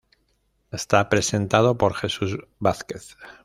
Está presentado por Jesús Vázquez.